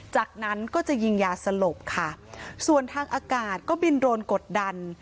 จากนั้นก็จะยิงยาสลบค่ะส่วนทางอากาศก็บินโรนกดดัน